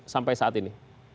sampai saat ini